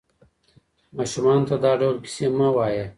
ماشومانو ته دا ډول کیسې مه وایئ.